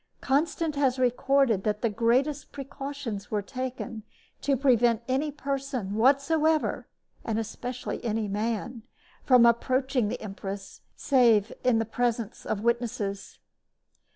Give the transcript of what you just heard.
Constant has recorded that the greatest precautions were taken to prevent any person whatsoever, and especially any man, from approaching the empress save in the presence of witnesses.